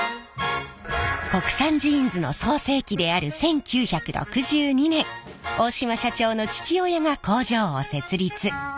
国産ジーンズの創成期である１９６２年大島社長の父親が工場を設立。